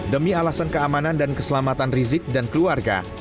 demi alasan keamanan dan keselamatan rizik dan keluarga